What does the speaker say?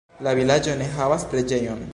La vilaĝo ne havas preĝejon.